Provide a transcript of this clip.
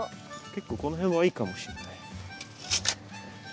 結構この辺はいいかもしれない。